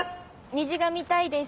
虹が見たいです。